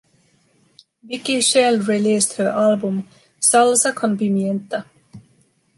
Vicky Shell released her album “Salsa con Pimienta!”.